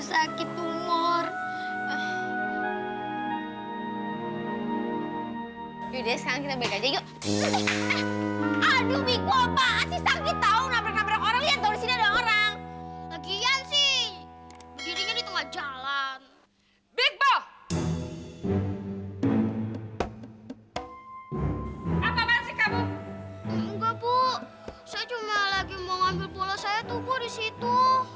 saya cuma lagi mau ambil bola saya tuh bu disitu